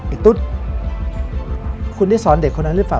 ตุ๊ดคุณได้สอนเด็กคนนั้นหรือเปล่า